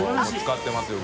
使ってますよ